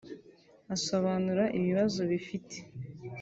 Asobanura ibibazo bifite